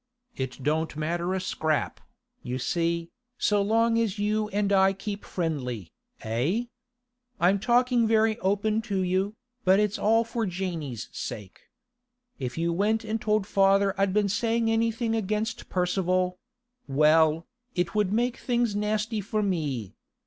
It don't matter a scrap, you see, so long as you and I keep friendly, eh? I'm talking very open to you, but it's all for Janey's sake. If you went and told father I'd been saying anything against Percival—well, it would make things nasty for me.